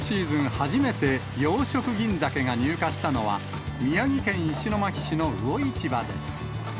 初めて、養殖ギンザケが入荷したのは、宮城県石巻市の魚市場です。